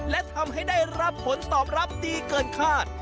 และทำให้ได้รับผลตอบรับดีเกินคาด